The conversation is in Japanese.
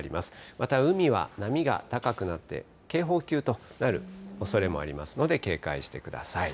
また海は波が高くなって、警報級となるおそれもありますので、警戒してください。